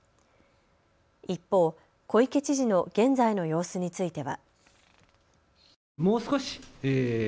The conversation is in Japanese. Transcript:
一方、小池知事の現在の様子については。